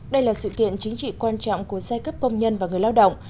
đây là sự kiện chính trị quan trọng của giai cấp công nhân và người lao động